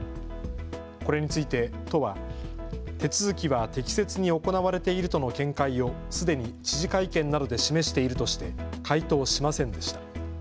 これについて都は手続きは適切に行われているとの見解をすでに知事会見などで示しているとして回答しませんでした。